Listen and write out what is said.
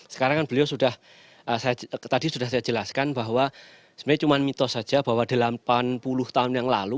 sekarang kan beliau sudah tadi sudah saya jelaskan bahwa sebenarnya cuma mitos saja bahwa delapan puluh tahun yang lalu